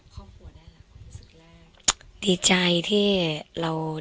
ความรู้สึกที่เราสามารถสร้างกับครอบครัวได้หรือความรู้สึกแรก